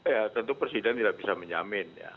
ya tentu presiden tidak bisa menjamin ya